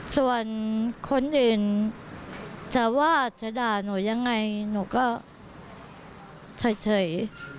ส่วนคนอื่นจะว่าจะด่าหนูยังไงหนูก็เฉย